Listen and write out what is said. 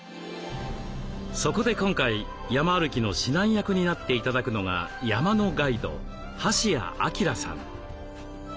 そこで今回山歩きの指南役になって頂くのが山のガイド橋谷晃さん。